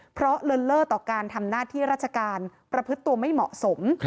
เพราะเลินเล่อต่อการทำหน้าที่ราชการประพฤติตัวไม่เหมาะสม